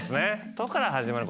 「と」から始まる。